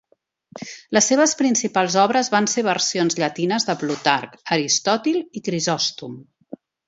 Les seves principals obres va ser versions llatines de Plutarc, Aristòtil i Crisòstom.